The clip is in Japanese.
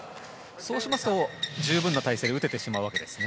そうしますと十分な体勢で打ててしまうわけですね。